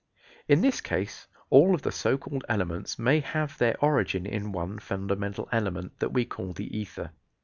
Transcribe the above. In this case all of the so called elements may have their origin in one fundamental element that we call the ether.